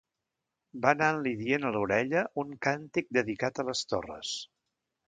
Va anant-li dient a l'orella un càntic dedicat a les torres